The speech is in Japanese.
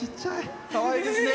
かわいいですね。